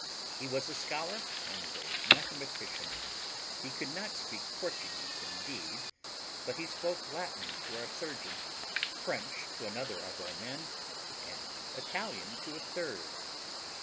He was a scholar and a mathematician; he could not speak Portuguese indeed, but he spoke Latin to our surgeon, French to another of our men, and Italian to a third.